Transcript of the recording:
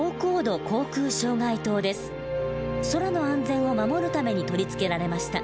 空の安全を守るために取り付けられました。